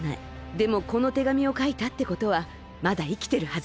でもこのてがみをかいたってことはまだいきてるはず。